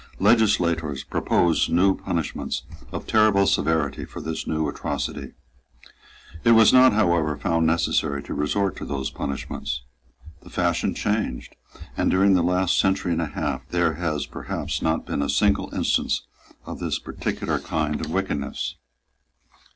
Legislators proposed new punishments of terrible severity for this new atrocity. It was not however found necessary to resort to those punishments. The fashion changed; and during the last century and a half there has perhaps not been a single instance of this particular kind of wickedness.